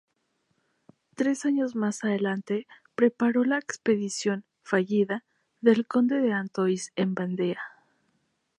Tres años más adelante preparó la expedición, fallida, del Conde de Artois en Vandea.